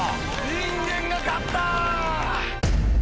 人間が勝った！